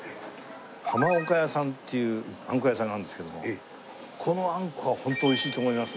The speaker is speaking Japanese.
濱岡屋さんっていうあんこ屋さんがあるんですけどもこのあんこはホントに美味しいと思いますので。